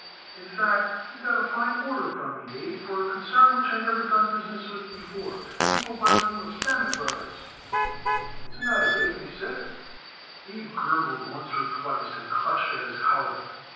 In fact, he got a fine order from me, Abe, for a concern which I never done business with before. People by the name Sammet Brothers. What's the matter, Abe? Are you sick?" Abe gurgled once or twice and clutched at his collar.